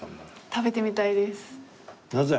食べてみたいです。